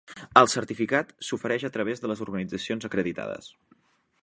El certificat s'ofereix a través de les organitzacions acreditades.